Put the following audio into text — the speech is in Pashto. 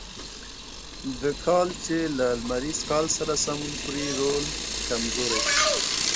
د کال چې له لمریز کال سره سمون خوري رول کمزوری شو.